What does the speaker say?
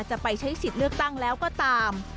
จะไปใช้สิทธิ์เลือกตั้งแล้วก็ตาม